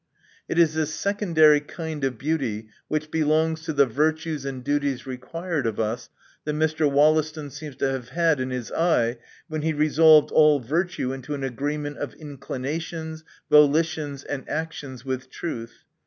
It is this secondary kind of beauty, which belongs to the virtues and duties required of us, that Mr. Wollaston seems to have had in his eye, when he resolved all virtue into an agreement of inclinations, volitions and actions with truth.